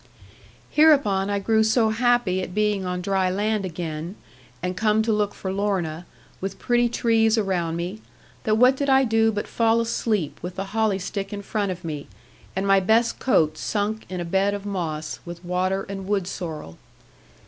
Hereupon I grew so happy at being on dry land again, and come to look for Lorna, with pretty trees around me, that what did I do but fall asleep with the holly stick in front of me, and my best coat sunk in a bed of moss, with water and wood sorrel.